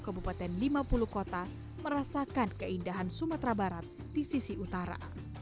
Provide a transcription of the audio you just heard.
kabupaten lima puluh kota merasakan keindahan sumatera barat di sisi utara